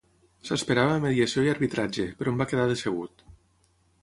S'esperava mediació i arbitratge, però en va quedar decebut.